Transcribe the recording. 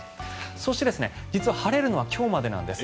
そして実は晴れるのは今日までなんです。